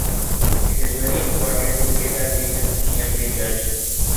It is very important to say that we can see every judge